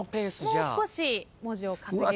もう少し文字を稼げると。